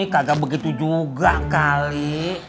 kagak begitu juga kali